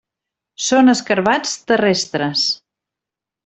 Són escarabats terrestres.